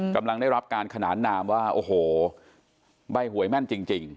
กำลังได้รับการขนานนามว่าโอ้โหใบหวยแม่นจริง